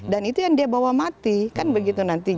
dan itu yang dia bawa mati kan begitu nanti